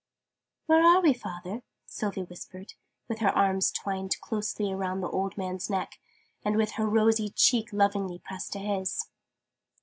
"Where are we, father?" Sylvie whispered, with her arms twined closely around the old man's neck, and with her rosy cheek lovingly pressed to his.